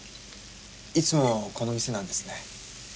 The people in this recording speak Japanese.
いつもこの店なんですね。